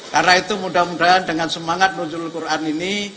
karena itu mudah mudahan dengan semangat muncul quran ini